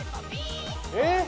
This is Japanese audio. えっ！